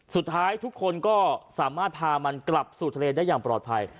สุดท้ายทุกคนก็สามารถพามันกลับสู่ทะเลได้อย่างปลอดภัย